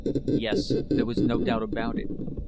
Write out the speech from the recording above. Yes, there was no doubt about it.